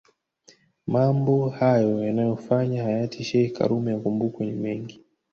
Mambo hayo yanayofanya hayati sheikh karume akumbukwe ni mengi